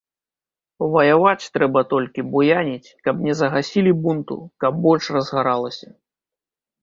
Ваяваць трэба толькі, буяніць, каб не загасілі бунту, каб больш разгаралася.